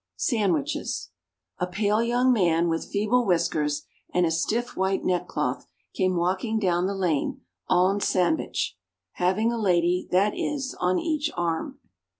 SANDWICHES. A pale young man, with feeble whiskers and a stiff white neckcloth, came walking down the lane en sandwich having a lady, that is, on each arm.